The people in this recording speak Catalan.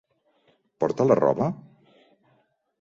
Porta la roba?